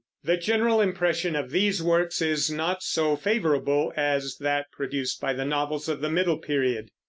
The general impression, of these works is not so favorable as that produced by the novels of the middle period.